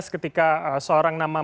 ketika seorang namanya